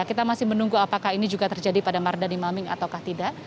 kita masih menunggu apakah ini juga terjadi pada mardani maming atau tidak